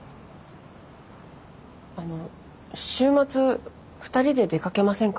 あの週末二人で出かけませんか？